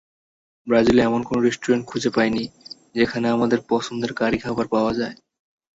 ব্রাজিলে এমন কোনো রেস্টুরেন্ট খুঁজে পাইনি, যেখানে আমাদের পছন্দের কারি খাবার পাওয়া যায়।